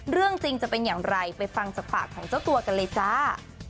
เรื่องจริงจะเป็นอย่างไรไปฟังจากปากของเจ้าตัวกันเลยจ้า